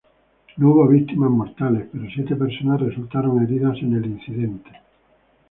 No hubo víctimas mortales, pero siete personas resultaron heridas en el incidente.